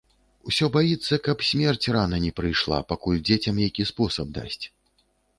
Усё баіцца, каб смерць рана не прыйшла, пакуль дзецям які спосаб дасць.